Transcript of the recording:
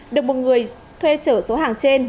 được một người thuê trở số hàng trên